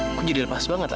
aku jadi lepas banget lah